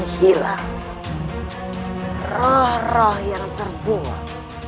hilang roh roh yang terbuat